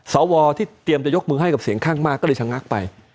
สวที่เตรียมจะยกมือให้กับเสียงข้างมากก็เลยชะงักไป